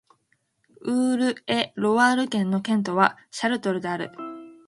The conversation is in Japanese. ウール＝エ＝ロワール県の県都はシャルトルである